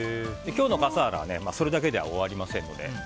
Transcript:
今日の笠原はそれだけでは終わりません。